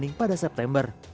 dibanding pada september